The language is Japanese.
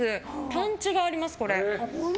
パンチがあります。